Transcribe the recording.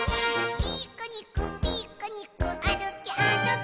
「ピクニックピクニックあるけあるけ」